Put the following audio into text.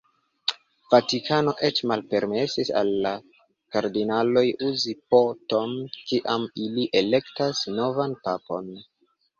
Vatikano eĉ malpermesis al la kardinaloj uzi po-ton, kiam ili elektas novan papon.